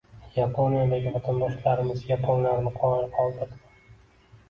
Yaponiyadagi vatandoshlarimiz yaponlarni qoyil qoldirdi